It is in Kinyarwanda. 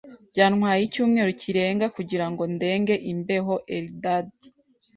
Byantwaye icyumweru kirenga kugira ngo ndenge imbeho. (Eldad)